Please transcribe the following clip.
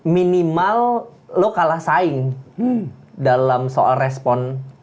minimal lo kalah saing dalam soal respon